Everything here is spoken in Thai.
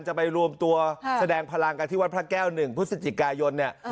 จะไปรวมตัวแสดงพลังกันที่วัดพระแก้ว๑พฤศจิกายนเนี่ย